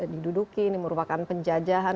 diduduki ini merupakan penjajahan